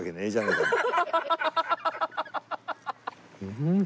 うん！